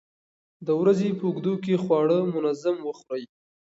د ورځې په اوږدو کې خواړه منظم وخورئ.